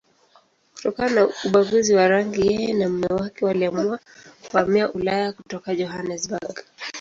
Kutokana na ubaguzi wa rangi, yeye na mume wake waliamua kuhamia Ulaya kutoka Johannesburg.